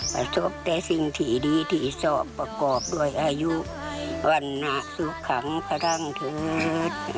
ประชบได้สิ่งที่ดีที่สอบประกอบโดยอายุวันหนาสุขครั้งพลังเท็จ